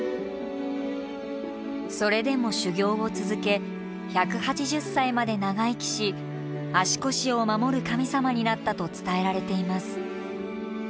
それでも修行を続け１８０歳まで長生きし足腰を守る神様になったと伝えられています。